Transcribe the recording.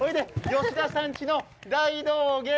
吉田さんちの大道芸。